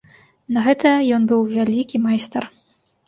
На гэта ён быў вялікі майстар.